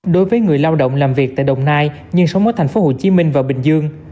đối với người lao động làm việc tại đồng nai nhưng sống ở thành phố hồ chí minh và bình dương